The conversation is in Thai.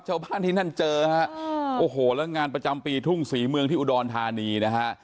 ชาวบ้านที่นั่นเจอฮะโอ้โหแล้วงานประจำปีทุ่งศรีเมืองที่อุดรธานีนะฮะ